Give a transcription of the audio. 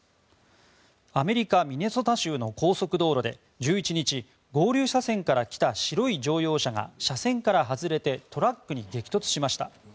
アメリカ・ミネソタ州の高速道路で１１日合流車線から来た白い乗用車が車線から外れてトラックに激突しました。